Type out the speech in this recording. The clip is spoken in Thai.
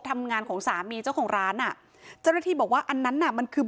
ทำงานของสามีเจ้าของร้านอ่ะเจ้าหน้าที่บอกว่าอันนั้นน่ะมันคือ